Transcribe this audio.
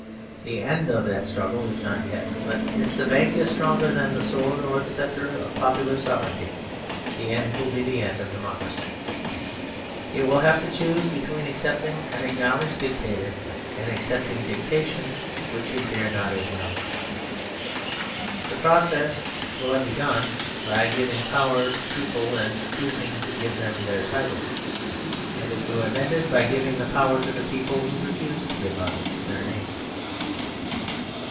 The end of that struggle is not yet; but if the bank is stronger than the sword or the sceptre of popular sovereignty, the end will be the end of democracy. It will have to choose between accepting an acknowledged dictator and accepting dictation which it dare not acknowledge. The process will have begun by giving power to people and refusing to give them their titles; and it will have ended by giving the power to people who refuse to give us their names.